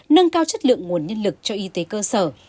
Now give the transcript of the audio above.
nâng cao chất lượng nguồn nhân lực cho y tế cơ sở